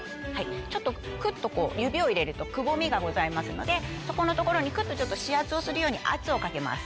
ちょっとクッと指を入れるとくぼみがございますのでそこの所にクッと指圧をするように圧をかけます。